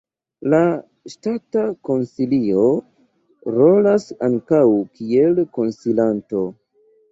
La Ŝtata Konsilio rolas ankaŭ kiel konsilanto.